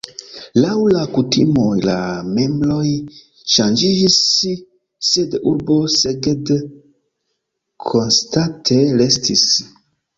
Laŭ la kutimoj la membroj ŝanĝiĝis, sed urbo Szeged konstante restis.